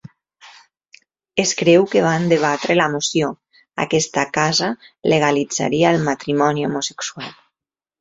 Es creu que van debatre la moció Aquesta casa legalitzaria el matrimoni homosexual.